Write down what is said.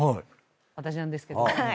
私なんですけども。